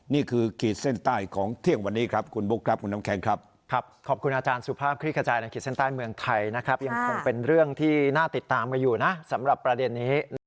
ขีดเส้นใต้ของเที่ยงวันนี้ครับคุณบุ๊คครับคุณน้ำแข็งครับขอบคุณอาจารย์สุภาพคลิกขจายในขีดเส้นใต้เมืองไทยยังคงเป็นเรื่องที่น่าติดตามกันอยู่นะสำหรับประเด็นนี้